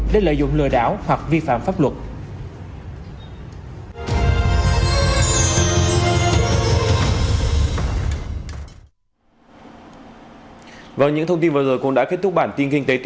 để lợi dụng lừa đảo hoặc vi phạm pháp luật